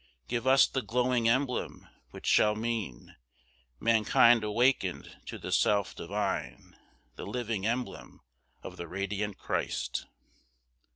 Give us the glowing emblem which shall mean Mankind awakened to the Self Divine; The living emblem of the Radiant Christ.